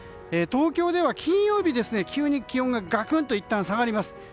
東京では金曜日、急に気温がガクンといったん下がります。